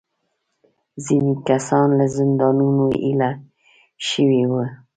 ځینې کسان له زندانونو ایله شوي وو.